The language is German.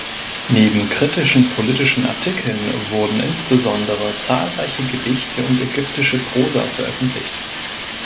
Neben kritischen politischen Artikeln wurden insbesondere zahlreiche Gedichte und ägyptische Prosa veröffentlicht.